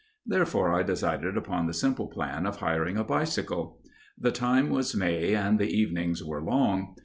Therefore I decided upon the simple plan of hiring a bicycle. The time was May and the evenings were long.